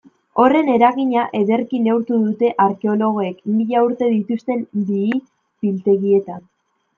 Horren eragina ederki neurtu dute arkeologoek mila urte dituzten bihi-biltegietan.